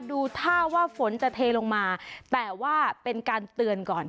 ดูท่าว่าฝนจะเทลงมาแต่ว่าเป็นการเตือนก่อน